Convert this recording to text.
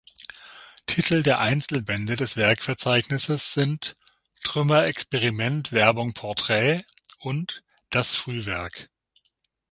Titel der Einzelbände des Werkverzeichnisses sind: "Trümmer, Experiment, Werbung, Portrait" und "Das Frühwerk.